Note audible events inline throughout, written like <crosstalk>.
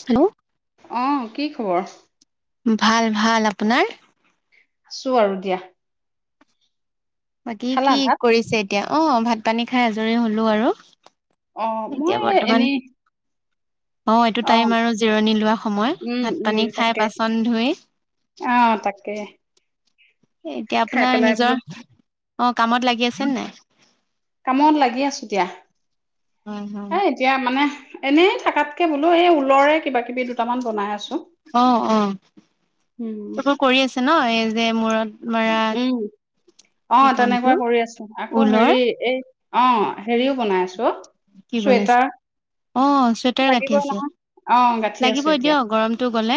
Hello অ কি খবৰ ভাল ভাল আপোনাৰ আছো আৰু দিয়া বাকী খালা কি ভাত? কৰিছে এতিয়া অ ভাত পানী খাই আজৰি হলো আৰু অ এতিয়া মই বৰ্তমান এনেই অ এইটো টাইম অ', আৰু জিৰণি লোৱা সময় উম, ভাত উম, পানী খাই তাকে বাচন ধুই অ তাকে এতিয়া খাই আপোনাৰ পেলাই বোলো নিজৰ অ কামত লাগি আছে নাই কামত লাগি আছো দিয়া হয় হয় এ এতিয়া মানে এনেই থকাতকে বোলো এই ঊলৰে কিবা কিবি দুটামান বনাই আছো অ অ উম, এইবোৰ কৰি আছে ন এই যে মূৰত মৰা উম অ সেই কামটো তেনেকুৱা কৰি আছো আকৌ ঊলৰ হেৰি এই অ হেৰিও বনাই আছো অ কি বনাইছ চুৱেটাৰ অ চুৱেটাৰ গাঁঠি লাগিবই আছে নহয়। অ', গাঁঠি আছো লাগিব এ এতিয়া। দিয় গৰমটো গলে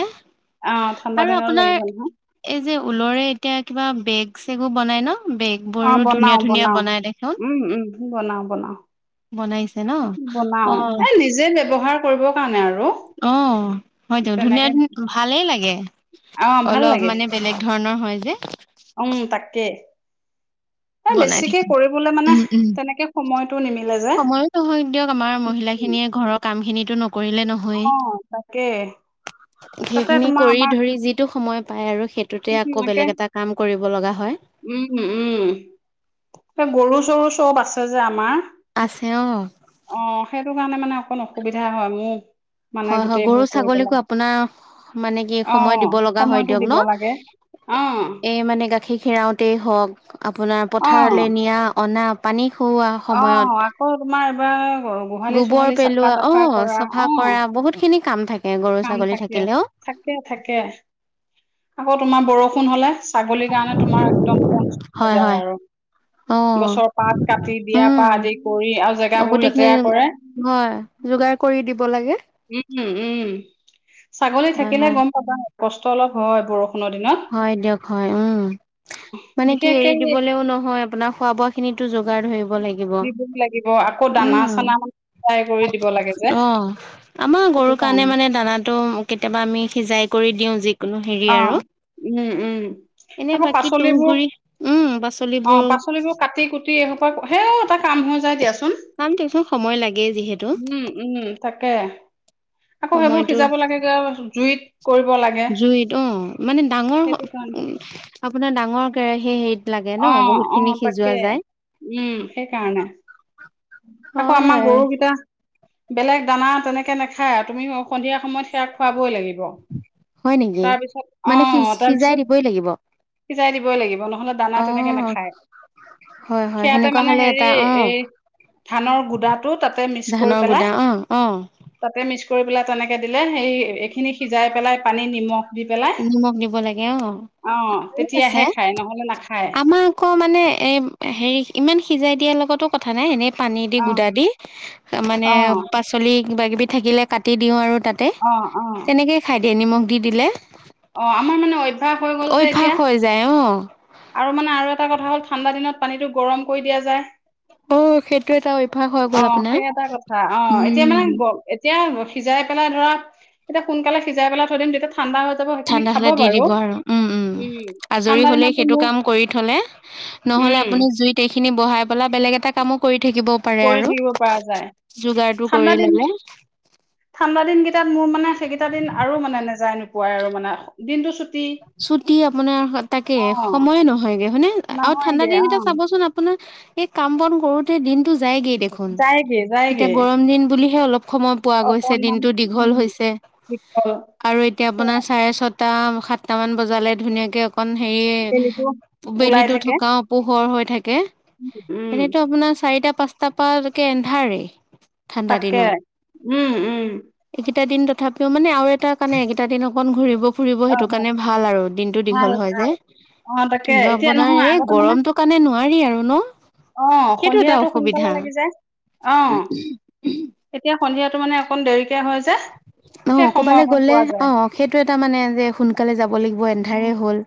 অ', ঠাণ্ডা আৰু দিনৰো আপোনাৰ লাগিব নহয়। এই যে ঊলৰে এতিয়া কিবা বেগ চেগো বনাই ন অ', বেগবোৰো বনাও ধুনীয়া ধুনীয়া বনাও। বনাই দেখোন উম, উম, বনাও বনাও বনাইছে ন বনাও অ এ নিজে ব্যৱহাৰ কৰিবৰ কাৰণে আৰু অ হয়তো ধুনীয়া তেনেকে ধুন ভালেই লাগে অ ভাল অলপ লাগে মানে বেলেগ ধৰণৰ হয় যে উম তাকে এ বনাই বেছিকে থাকিম কৰিবলে মানে উম উম তেনেকে সময়টো নিমিলে যে সময়ো নহয় দিয়ক আমাৰ মহিলা খিনিয়ে ঘৰত কাম খিনি টো নক নহয় অ তাকে তাতে সেইখিনি তোমাৰ কৰি আমাৰ ধৰি যিটো সময় পায় আৰু সেইটোতে আকৌ এনেকে বেলেগ এটা কাম কৰিব লগা হয়। উম উম এ গৰু চৰু চব আছে যে আমাৰ আছে অ অ সেইটো কাৰণে মানে অকন অসুবিধা হয় মোৰ মানে হয় হয় গৰু গোটেইবোৰ কৰি পেলাই ছাগলীকো আপোনাৰ মানে কি অ সময় দিব লগা হয় সময়টো দিয়ক ন। দিব লাগে অ এ মানে গাখীৰ খেৰাওঁতেই হওক আপোনাৰ অ পথাৰলৈ নিয়া অনা পানী খুওৱা অ সময়ত আকৌ তোমাৰ এইবাৰ গোহালি গোবৰ চোহালি চাফা পেলোৱা অ তাফা কৰা চফা অ বহুতখিনি কাম থাকে। গৰু কাম ছাগলী থাকে থাকিলেও থাকে থাকে আকৌ তোমাৰ বৰষুণ হলে, ছাগলীৰ কাৰণে তোমাৰ একদম তোমাৰ পঞ্চ হৈ হয় যায় হয় আৰু অ গছৰ পাত কাটি দিয়াৰ পা উম আদি কৰি আৰু অ জেগাবোৰ গোটেইখিনি লেতেৰা কৰে হয় যোগাৰ কৰি দিব লাগে। উম উম উম ছাগলী হয় থাকিলে হয় গম পাবা কষ্ট অলপ হয় বৰষুণ হয় দিয়ক হয় উম। মানে কি বিশেষকে এৰি দিবলেও নহয় আপোনাৰ খোৱা বোৱা খিনিতো যোগাৰ ধৰিব লাগিব। দিবই লাগিব আকৌ দানা উম চানা মানে ফ্ৰাই কৰি দিব লাগে যে অ। আমাৰ গৰুৰ কাৰণে মানে দানাটো কেতিয়াবা আমি সিজাই কৰি দিওঁ যিকোনো হেৰি অ আৰু উম উম এনে আকৌ বাকী তুহ পাচলিবোৰ গুৰি উম অ পাচলিবোৰ পাচলিবোৰ কাটি কুটি এইসপ সে এটা কাম হৈ যাই দিয়াচোন। কাম দিয়কচোন সময় লাগেই যিহেতু ম উম উম তাকে। আকৌ সেইবোৰ সময়টো সিজাব লাগে জুইত, কৰিব লাগে জুইত অ মানে ডাঙৰ সেইটো কাৰণে আপোনাৰ ডাঙৰ কেৰাহি সী হেত অ অ তাকে উম সেইকাৰণে, আকৌ আমাৰ হয়, গৰুকেইটা বেলেগ দানা তেনেকে নাখায় আৰু তুমি সন্ধিয়া সময়ত সেয়া খোৱাবই লাগিব। হয় নেকি? তাৰপিছত অ মানে সিজ সিজাই তাৰপিছত দিবই লাগিব। সিজাই দিবই লাগিব নহয়। নহলে দানা তেনেকে অ', নাখায় হয়, হয় সেয়াতে সেনেকুৱা মানে হ'লে হেৰি এটা অ', এই ধানৰ গুদাটো তাতে মিক্স কৰি ধানৰ পেলাই গুদা অ', অ'। তাতে মিক্স ল তেনেকে দিলে সিই এখিনি সিজাই পেলাই পানীত নিমখ দি পেলাই নিমখ দিব লাগে অ তেতিয়াহে আছে। খায় নহলে নাখায় আমাক আকৌ মানে এ হেৰি ইমান সিজাই দিয়াৰ লগত টো কথা নাই এনেই পানী দি অ গুদা দি মানে অ পাচলি কিবাকিবি থাকিলে কাটি দিওঁ আৰু তাতে অ অ তেনেকেই খাই দিয়ে নিমখ দি দিলে। অ আমাৰ মানে অভ্যাস হৈ গ'ল যে অভ্যাস এতিয়া হৈ যায় অ। আৰু মানে আৰু এটা কথা হ'ল ঠাণ্ডা দিনত পানীটো গৰম কৰি দিয়া যায়। অ সেইটো এটা অভ্যাস হৈ অ গ'ল আপোনাৰ। সেই এটা কথা অ এতিয়া উম। মানে এতিয়া সিজাই পেলাই ধৰা এতিয়া সোনকালে সিজাই পেলাই থৈ দিম যেতিয়া ঠাণ্ডা হলে দি দিব আৰু উম উম আজৰি ঠাণ্ডা হলে দিনতো সেইটো মোৰ কাম কৰি থলে নহলে আপুনি উম জুইত এইখিনি বঢ়াই পেলাই বেলেগ এটা কামো কৰি থাকিব পাৰে কৰি আৰু থাকিব পৰা যায় যোগাৰটো কৰি ঠাণ্ডা দিন ল'লে। ঠাণ্ডা দিনকেইটাত মোৰ মানে সেইকেইটা দিন আৰু মানে নেযায় নোপোৱাই আৰু মানে দিনটো চুট ছুটি আপোনাৰ হ তাকে সময়ে নহয়গে হয়নে আউ ঠাণ্ডা নহয়গে অ দিনকেইটা চাবচোন আপোনাৰ এই কাম বন কৰোতে দিনতটো যায়গেই দেখোন যায়গে যায়গে এতিয়া গৰম দিন বুলিহে অলপ সময় পোৱা গৈছে অকনমান দিনতটো দীঘল উম হৈছে বিকল আৰু এতিয়া আপোনাৰ চাৰে চত টা সাতটামান বজালে ধুনীয়াকে, অকন হেৰি বেলিটো ওলাই বেলিতো থাকে। থকাও পোহৰ হয়। থাকে উম এনেতো আপোনাৰ চাৰিটা পাঁচটা পা লৈকে এন্ধাৰেই ঠাণ্ডা তাকে উম উম। কেইটা দিন তথাপিও মানে আৰু এটা কাৰণে এইকেইটা দিন অকণ ঘূৰিব ফুৰিব অ সেইটো কাৰণে ভাল আৰু দিনটো ভাল দীঘল হয় যে অ তাকে কিন্তু এতিয়া আপোনাৰ নহয় এই গৰমটো কাৰণে নো নোৱাৰি আৰু ন। আহ সেইটো এটা সন্ধিয়াটো সোনকালে অসুবিধা লাগি যায় অ এতিয়া সন্ধিয়াতো মানে অকণ দেৰিকে হয় যে <inaudible> অ সেই সময় ক'বালে অকন গ'লে পোৱা অ যায় সেইটো এটা মানে যে সোনকালে যাব লাগিব উম এন্ধাৰেই হ'ল।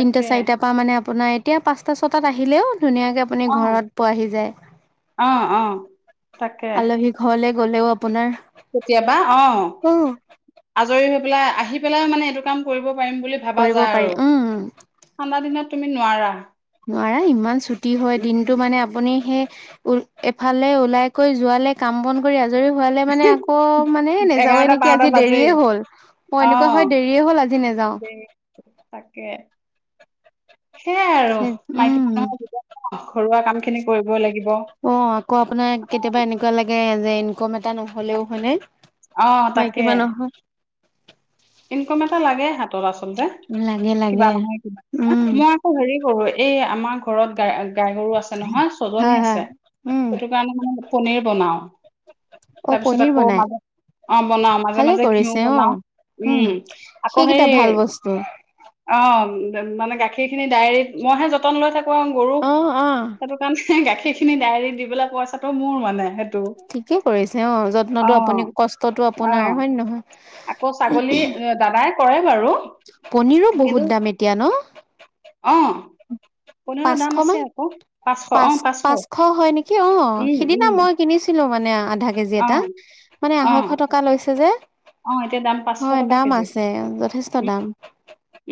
তিনটা চাৰিটাৰ পৰা মানে আপোনাৰ এতিয়া পাঁচটা ছটাত আহিলেও ধুনীয়াকে আপুনি অ ঘৰত পোৱাহি যায়। অ অ তাকে আলহী ঘৰলে গ'লেও আপোনাৰ কেতিয়াবা অ অ আজৰি হৈ পেলাই আহি পেলাই মানে এইটো কাম কৰিব পাৰিম বুলি ভাবা কৰিব যায় পাৰি আৰু উম ঠাণ্ডা দিনত তুমি নোৱাৰা। নোৱাৰা ইমান ছুটি হয় উম দিনটো মানে আপুনি সে উ এফালে ওলাই কৈ যোৱালে কাম বন কৰি আ- আজৰি হোৱালে মানে আকৌ মানে নেযাওঁয়ে এঘাৰটা নেকি বাৰটা আজি বাজেই দেৰিয়ে হ'ল অ এনেকুৱা হয় দেৰিয়ে হ'ল আজি নেযাওঁ। দে তাকে সেইয়াই আৰু মাইকী উম মানুহৰ ঘৰুৱা কাম খিনি কৰিবই লাগিব। অ আকৌ আপোনাৰ কেতিয়াবা এনেকুৱা লাগে যে ইনকম এটা নহলেও হয়নে। আহ মাইকী তাকে। মানুহৰ <inaudible> ইনকম এটা লাগে হাতত আচলতে। লাগে কিবা লাগে নহয় কিবা উম মই আকৌ হেৰি কৰো এই আমাৰ ঘ ঘৰত গা গাই গৰু আছে নহয় ছজনী হয় হয় আছে উম সেইটো কাৰণে মই পনীৰ বনাও। অ তাৰপিছত পনিৰ আকৌ বনাই মাজে অ বনাও মাজে ভালে মাজে ঘিউ কৰিছে অ বনাও। উম আকৌ সেই সেইকেইটা ভাল বস্তু অ মানে গাখীৰ খিনি ডায়েৰিত মই হে যতন লৈ থাকো আও গৰু অ অ সেইটো কাৰণে গাখীৰ সেইখিনি ডায়েৰী দিব পেলাই পইচাটো মোৰ মানে। সেইটো ঠিকে কৰিছে অ অ যত্নটো আপুনি কষ্টটো অ আপোনাৰ হয় নে নহয় আকৌ ছাগলী দাদাই কৰে। বাৰু পনীৰো কিন্তু বহুত দাম এতিয়া ন অ <inaudible> পনীৰৰ পাঁচশ দাম আছে মান আকৌ পাঁচশ অ পাঁচ পাঁচশ হয় নেকি অ উম সিদিনা উম মই কিনিছিলো। আনিলো মানে আধা কেজি অ এটা মানে অ আহৈশ টকা লৈছে যে। অ এতিয়া দাম পাঁচশ হয় টকা দাম কেজি আছে যথেষ্ট উম দাম।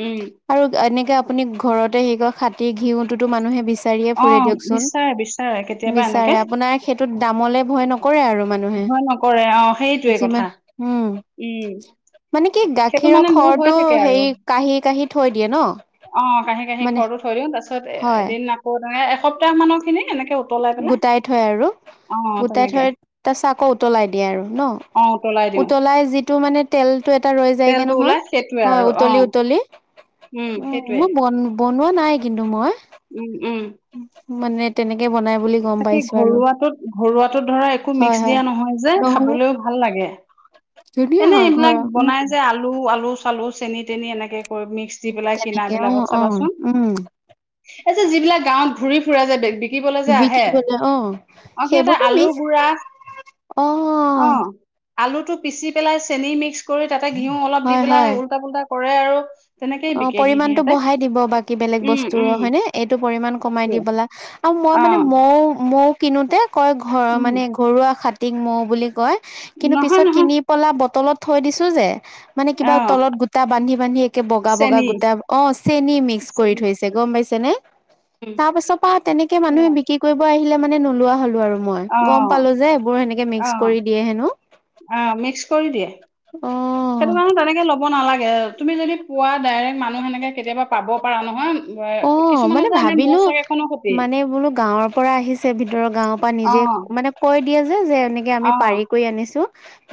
উম আৰু এনেকে আপুনি ঘৰতে হে কয় খাটী ঘিউটোতো মানুহে বিচ- বিচাৰিয়ে অ ফুৰে দিয়ক চুন বিচাৰে বিচাৰে কেতিয়াবা এনেকে বিচাৰে আপোনাৰ হেটোত দামলে ভয় ন- কৰে আৰু মানুহে ভয় নকৰে অ সেইটোৱে কথা যিমান উম উম মানে কি সেইটো গাখীৰৰ মানে মোৰ হৈ খৰটো থাকে আৰু হেই কাঢ়ি কাঢ়ি থৈ দিয়ে ন অ কাঁহি কহি মানে খৰটো থই দিওঁ তাৰছত হয় এদিন আকৌ তে এসপ্তাহ মানৰ খিনি এনেকে উতলাই পেলাই গোটাই থয় আৰু, অ গোটাই তেনেকে থৈ তাৰ পাছত আকৌ উতলাই দিয়ে আৰু ন? অ উতলাই দিওঁ উতলাই যিটো মানে তেলটো এটা ৰৈ যায়গে তেলটো নহয় ওলাই সেইটোৱে হয়, আৰু অ উতলি উতলি উম সেইটোৱে। মই বন বনোৱা নাই কিন্তু মই উম উম মানে তেনেকে বনাই বুলি গম তাকে পাইছো আৰু ঘৰুৱাটোত ঘৰুৱাটোত ধৰা একো হয় মিক্স হয় দিয়া নহয় যে নহৰু খাবলৈও ভাল লাগে। ধুনীয়া এনে হয় ঘৰৰ এইবিলাক উম বনাই যে আলু আলু চালু চেনি তেনি এনেকে কৰি মিক্স যি পিলাই কিনা তেনেকে অ বিলাকত অ চাবাচোন, উম এ যে যিবিলাক গাঁৱত ঘুৰি ফূৰে যে বেজি শিকিবলৈ যে আহে, বিকিবলে অ অ সিহঁতে সেইবোৰতো আলু মিছ গুড়া অ অ আলুটো পিচি পেলাই চেনি মিক্স কৰি তাতে ঘিউ অলপ দি হয় পেলাই হয় উল্টা পুল্টা কৰে আৰু তেনেকেই অ বিকেহি পৰিমানতটো সিহঁতে বঢ়াই দিব বাকী বেলেগ উম বস্তুৰ উম হয়নে? এইটো পৰিমান কমাই দি পেলে মই অ মানে মৌ মৌ কিনোতে কয় ঘৰ উম মানে ঘৰুৱা খাতি মৌ বুলি কয়। কিন্তু নহয় পিছত নহয় কিনি পলা বটলত থৈ দিছো যে মানে কিবা অ তলত গোটা বান্ধি বান্ধি বগা বগা চেনি গোটা অ, চেনি মিক্স কৰি চেনি থৈছে গম পাইছে নে? উম তাৰ পাছৰ পৰা তেনেকে মানুহে সেয়াই। বিক্ৰী কৰিব আহিলে মানে নোলোৱা হলো আৰু মই অ গম পালো যে এইবোৰ সেনেকে মিক্স অ কৰি দিয়ে হেনো। অ মিক্স কৰি দিয়ে। অ সেইটো মানুহ তেনেকে লব নালাগে তুমি যদি পোৱা ডাইৰেক্ট মানুহ সেনেকে কেতিয়াবা পাব পাৰা নহয়। অ কিছুমানে মানে যে আনে ভাবিলো মৌচাক এখন মানে বোলো গাঁৱৰ পৰা আহিছে ভিতৰৰ গাঁৱৰ পৰা নিজে অ', মানে কৈ দিয়ে যে এনেকে আমি অ', পাৰি কৰি আনিছো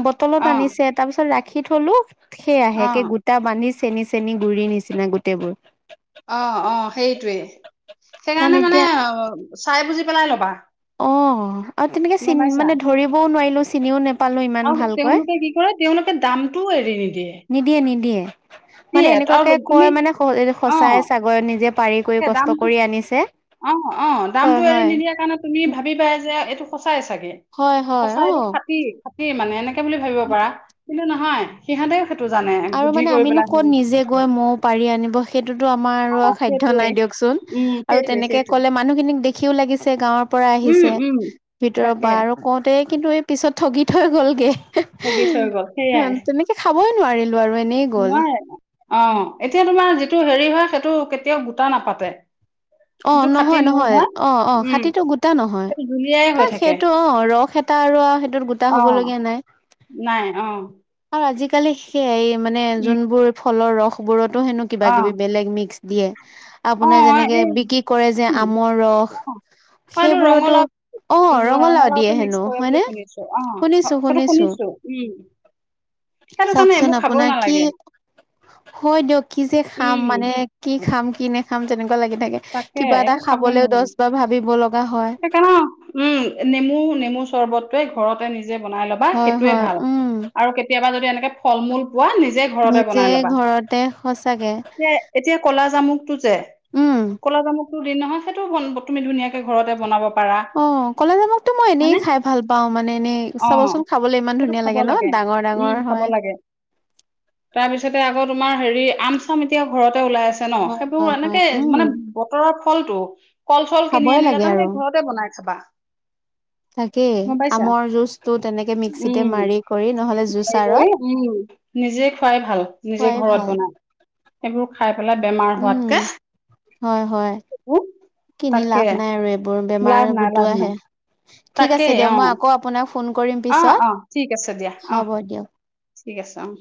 বটলত অ', আনিছে তাৰ পিছত ৰাখি থলো সেইয়াহে কে অ', গোটা বান্ধিছে চেনি চেনী গুৰি নিচিনা গোটেইবোৰ অ অ সেইটোৱে, কাৰণ সেইকাৰণে মানে এতিয়া চাই বুজি পেলাই ল'বা অ আৰু তেনেকে গম চিন পাইছা? মানে ধৰিবও নোৱাৰিলো চিনিও নে আৰু তেওঁলোকে কি কৰে তেওঁলোকে দামটোও এৰি নিদিয়ে নিদিয়ে নিদিয়ে, মানে দিয়ে আৰু এনেকুৱাকে তুমি কয় মানে সঁচাই অ', চাগৈ নিজে পাৰি কৰি তাকে কষ্ট দামটো কৰি আনিছে, অ', অ', দামটো হয় এৰি হয় সচাই চাগে হয় হয় সঁচাই এইটো অ খাটি খাটি মানে এনেকে বুলি ভাবিব পাৰা, কিন্তু নহয় সিহঁতেও টো জানে আৰু বুদ্ধি মানে কৰি আমিনো পেলাই তো আমাৰ অ আৰু সাধ্য সেইটোৱে নাই দিয়কচোন, উম আৰু সেইটোৱে তেনেকে সেইটোৱে ক'লে মানুহখিনিক দেখিও লাগিছে গাঁৱৰ পৰা উম আহিছে উম ভিতৰৰ তাকে পৰা আৰু কওঁতে কিন্তু এই পিছত ঠগি থৈ গলগে ঠগী থৈ গল, সেইয়াই কবই নোৱাৰিলো আৰু এনেই গ'ল। নোৱাৰে অ এতিয়া তোমাৰ যিটো হেৰি হয় সেইটো কেতিয়াও গোটা নাপাতে। অ যিটো খাটি নহয় মূৰ নহয় হয় অ অ উম খাটিটো গোটা নহয় সেইটো জুলিয়াই ক হৈ থাকে সেইটো অ ৰস এটা আৰু সেইটোত গোটা অ হ'বলগীয়া নাই নাই অ সেয়াই মানে উম যোনবোৰ ফলৰ ৰস বোৰত সেনো অ বেলেগ বেলেগ কিবা কিবি মিস্ক দিয়ে, অ আপুনাৰ যেনেকে এই বি কি কৰে যে উম, আমৰ ৰস, অ অ, এইটো সেইবোৰতো অ ৰঙালাও দিয়ে তো হেনো মিক্স কৰে হয়নে বুলি শুনিছো, অ সেইটো শুনিছো উম সেইটো কাৰণে চাওকচোন এইবোৰ খাবই আপোনাৰ কি নালাগে হয় দিয়ক কি যে খাম উম, মানে কি খাম কি নাখাম তেনেকুৱা লাগি থাকে তাকে কিবা এটা খাবলেও দছ বাৰ ভাবিব লগা হয় সেইকাৰনে ন উম নেমু নেমু চৰ্বতটোৱে ঘৰতে নিজ নিজে বনাই লবা হয় সেইটোয়ে হয় ভাল উম আৰু কেতিয়াবা যদি এনেকে ফল মূল পোৱা নিজে ঘৰটে নিজে বনাই লবা। ঘৰতে সঁচাকে এতিয়া এতিয়া কুলা জামুকটো যে উম কলা জামুকটো দি নহয় সেইটো তুমি ধুনীয়া অ কলাজামোকটো মই এনেই হয়নে? খাই ভাল পাও মানে এনে অ', চাবচোন খাবলৈ ইমান সেইটো ধুনীয়া খাব লাগে ন ডাঙৰ উম, ডাঙৰ খাব হয় লাগে। তাৰপিছতে আকৌ তোমাৰ হেৰি আম চাম এতিয়া ঘৰতে ওলাই আছে ন হয় সেইবোৰ হয় হয় এনেকে উম মানে বতৰৰ ফল টো কল চল খাবই কিনি আনিলে লাগে আৰু তেনেকে ঘৰতে বনাই খাবা তাকেই গম পাইছা? আমৰ জুচটো তেনেকে মিক্সিতে উম, মাৰি কৰি নহলে হেৰি কৰি জুচাৰত উম, নিজে খোৱাই ভাল নিজে খোৱাই ঘৰত ভাল বনাই, সেইবোৰ খাই পেলাই বেমাৰ উম হোৱাতকে। হয়, হয়। উম, কিনি তাকে লাভ নাই আৰু এইবোৰ, বেমাৰ লাভ নাই লাভ গোটোৱাহে। নাই ঠিক তাকেই আছে দিয়ক মই অ', আকৌ আপোনাক ফোন কৰিম অ', পিছত। অ', ঠিক আছে দিয়া অ', হ'ব দিয়ক। ঠিক আছে অ।